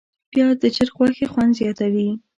پیاز د چرګ غوښې خوند زیاتوي